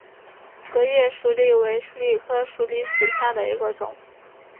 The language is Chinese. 革叶鼠李为鼠李科鼠李属下的一个种。